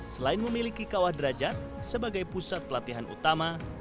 selain memiliki kawah derajat sebagai pusat pelatihan utama